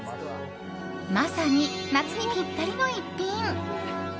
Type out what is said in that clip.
まさに夏にぴったりの逸品。